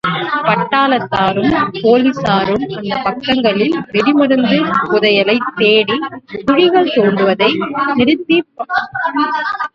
பட்டாளத்தாரும், போலிஸாரும் அந்தப் பக்கங்களில் வெடிமருந்துப் புதையலைத் தேடிக் குழிகள் தோண்டுவதை நிறுத்தியபாடில்லை.